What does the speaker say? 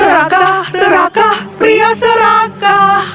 serakah serakah pria serakah